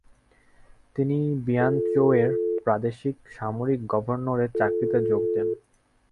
তিনি বিয়ানচৌয়ের প্রাদেশিক সামরিক গভর্নরের চাকরিতে যোগ দেন।